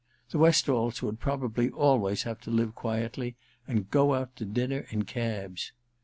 The Westalls would probably always have to live quietly and go out to dinner in cabs.